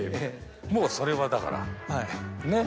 もうそれはだからねっ。